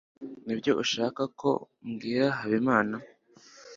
nibyo ushaka ko mbwira habimana